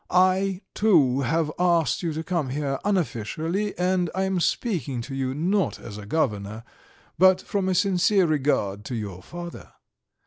I, too, have asked you to come here unofficially, and I am speaking to you, not as a Governor, but from a sincere regard for your father.